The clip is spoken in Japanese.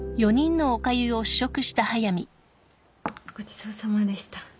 ごちそうさまでした。